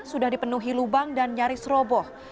sudah dipenuhi lubang dan nyaris roboh